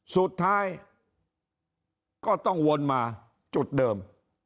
สุดท้ายก็ต้องวนมาจุดเดิม